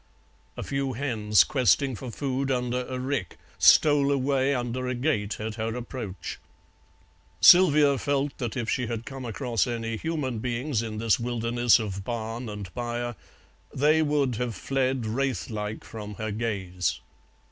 A few hens, questing for food under a rick, stole away under a gate at her approach. Sylvia felt that if she had come across any human beings in this wilderness of barn and byre they would have fled wraith like from her gaze.